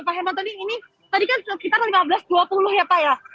pak hermatoding ini tadi kan sekitar lima belas dua puluh ya pak ya